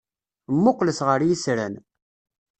Mmuqqlet ɣer yitran.